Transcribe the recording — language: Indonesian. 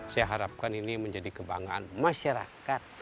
saya harapkan ini menjadi kebanggaan masyarakat